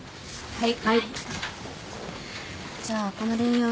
はい。